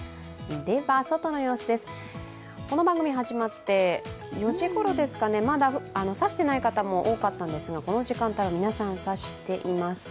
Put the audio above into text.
外の様子です、この番組始まって４時ごろですかね、まだ差してない方も多かったんですがこの時間帯は皆さん差しています。